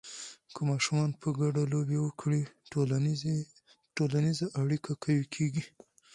که ماشومان په ګډه لوبې وکړي، ټولنیزه اړیکه قوي کېږي.